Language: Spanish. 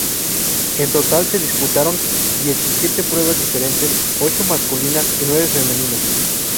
En total se disputaron diecisiete pruebas diferentes, ocho masculinas y nueve femeninas.